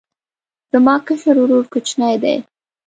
زما کشر ورور کوچنی دی